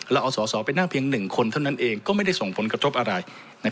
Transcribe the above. เราเอาสอสอไปนั่งเพียง๑คนเท่านั้นเองก็ไม่ได้ส่งผลกระทบอะไร